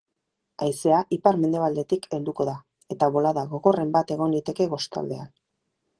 Haizea ipar-mendebaldetik helduko da, eta bolada gogorren bat egon liteke kostaldean.